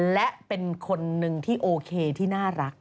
และเป็นคนนึงที่โอเคที่น่ารัก